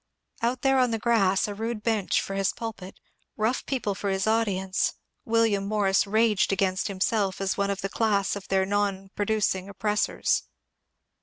Out there on the grass, a rude bench for his pulpit, rough people for his audience, William Morris raged against himself as one of the class of their non produ cing oppressors.